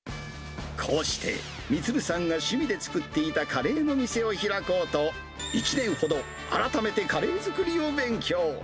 こうして、充さんが趣味で作っていたカレーの店を開こうと、１年ほど、改めてカレー作りを勉強。